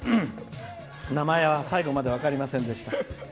名前は最後まで分かりませんでした。